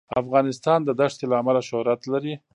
افغانستان د دښتې له امله شهرت لري.